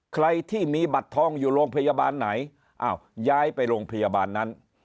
ใครที่มีบัตรทองอยู่โรงพยาบาลไหนอ้าวย้ายไปโรงพยาบาลนั้น